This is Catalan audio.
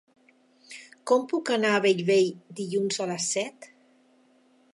Com puc anar a Bellvei dilluns a les set?